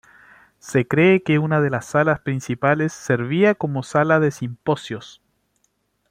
Se cree que una de las salas principales servía como sala de simposios.